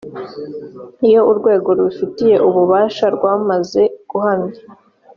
iyo urwego rubifitiye ububasha rwamaze guhamya